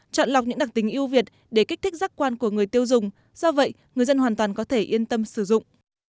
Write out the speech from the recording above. chọn lọc những đặc tính yêu việt để kích thích giác quan của người tiêu dùng do vậy người dân hoàn toàn có thể yên tâm sử dụng